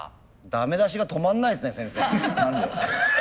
駄目出しが止まんないですね先生。